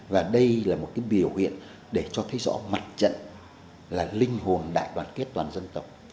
và đây là một cái biểu hiện để cho thấy rõ mặt trận là linh hồn đại đoàn kết toàn dân tộc